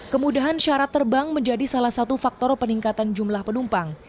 kemudahan syarat terbang menjadi salah satu faktor peningkatan jumlah penumpang